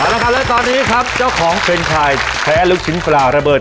เอาละครับและตอนนี้ครับเจ้าของเป็นใครแพ้ลูกชิ้นปลาระเบิด